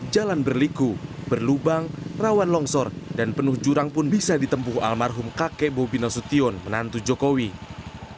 jalan berliku berlubang rawan longsor dan penuh jurang pun bisa ditempuh almarhum kakek bobi nasution menantu jokowi